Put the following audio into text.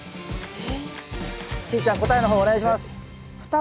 え。